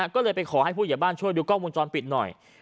ก็เลยไปขอให้ผู้เหยียบ้านช่วยดูกล้องวงจรปิดหน่อย